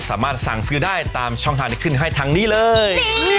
สามารถสั่งซื้อได้ตามช่องทางที่ขึ้นให้ทางนี้เลย